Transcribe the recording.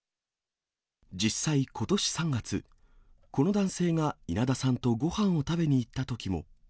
実際、ことし３月、この男性が稲田さんとごはんを食べに行ったときも。